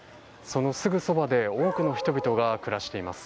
そのすぐそばで多くの人々が暮らしています。